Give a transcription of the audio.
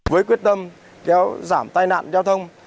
với quyết tâm kéo giảm tai nạn giao thông